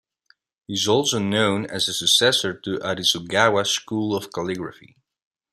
He is also known as a successor to Arisugawa school of calligraphy.